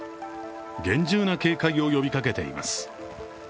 厳重な警戒を呼びかけています。